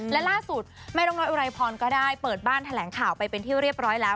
และล่าสุดแม่นกน้อยอุไรพรก็ได้เปิดบ้านแถลงข่าวไปเป็นที่เรียบร้อยแล้ว